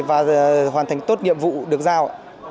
và hoàn thành tốt nhiệm vụ được giao